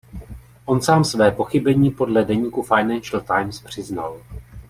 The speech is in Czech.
On sám své pochybení podle deníku Financial Times přiznal.